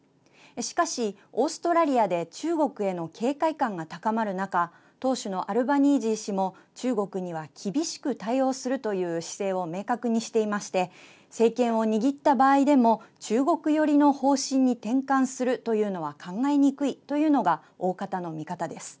しかしオーストラリアで中国への警戒感が高まる中党首のアルバニージー氏も中国には厳しく対応するという姿勢を明確にしていまして政権を握った場合でも中国寄りの方針に転換するというのは考えにくいというのがおおかたの見方です。